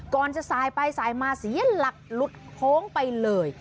ก่อนจะสายไปสายมาเสียหลักหลุดโค้งไปเลย